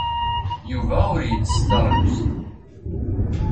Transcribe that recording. Yuba ur yettess taɣlust.